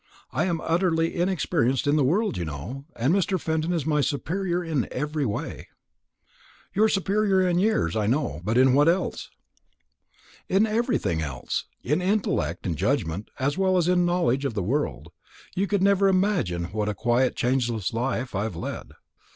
"I am utterly inexperienced in the world, you know, and Mr. Fenton is my superior in every way." "Your superior in years, I know, but in what else?" "In everything else. In intellect and judgment, as well as in knowledge of the world. You could never imagine what a quiet changeless life I have led."